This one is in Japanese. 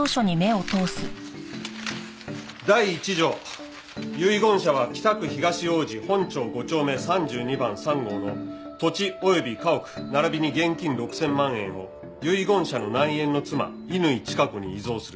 「第壱条遺言者は北区東王子本町五丁目三十二番三号の土地及び家屋ならびに現金六千万円を遺言者の内縁の妻乾チカ子に遺贈する」